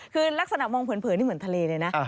คือลักษณะมองเผินนี่เหมือนทะเลเลยนะ